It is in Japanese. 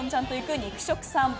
肉食さんぽ。